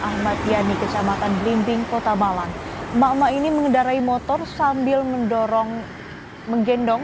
ahmad yani kecamatan belimbing kota malang emak emak ini mengendarai motor sambil mendorong menggendong